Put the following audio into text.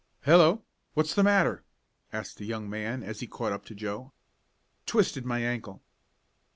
"Hello! What's the matter?" asked a young man as he caught up to Joe. "Twisted my ankle."